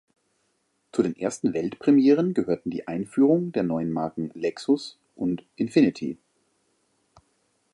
Zu den ersten Weltpremieren gehörten die Einführung der neuen Marken Lexus und Infiniti.